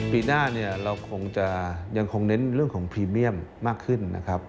ปีหน้าเรายังคงแนะนำเรื่องของพรีเมียมมากขึ้นนะครับ